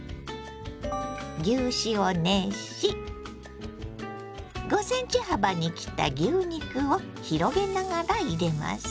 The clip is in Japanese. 牛脂を熱し５ｃｍ幅に切った牛肉を広げながら入れます。